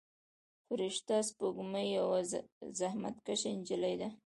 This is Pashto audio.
فرشته سپوږمۍ یوه زحمت کشه نجلۍ ده.